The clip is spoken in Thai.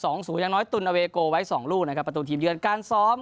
ศูนย์อย่างน้อยตุนอเวโกไว้สองลูกนะครับประตูทีมเยือนการซ้อม